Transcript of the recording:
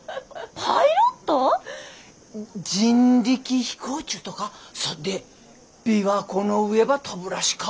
人力飛行ちゅうとかそっで琵琶湖の上ば飛ぶらしか。